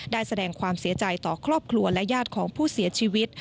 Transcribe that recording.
ได้แสดงความเสียใจต่อครอบครัวและญาติของผู้เสียชีวิต